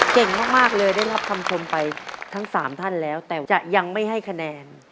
เก่งมากเลยได้รับคำชมไปทั้ง๓ท่านแล้วแต่จะยังไม่ให้คะแนน